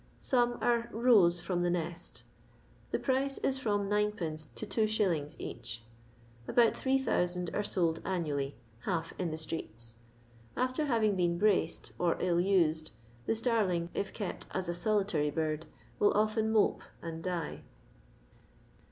Some are "rose" from the nest The price is from 9(i. to 2s. each. About 3000 are sold annually, half in the streets. After having been braced, or ill used, the starling, if kept as a solitary bird, will often mope and die.